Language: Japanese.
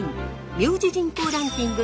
名字人口ランキング